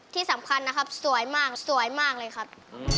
ที่สำคัญนะครับสวยมากสวยมากเลยครับ